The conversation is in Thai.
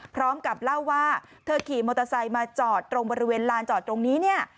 พร้อมกับเล่าว่าเธอขี่มอเตอร์ไซค์มาจอดตรงบริเวณลานจอดตรงนี้เนี่ย